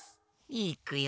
いくよ！